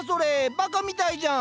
ばかみたいじゃん。